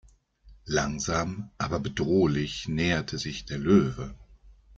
Langsam aber bedrohlich näherte sich der Löwe.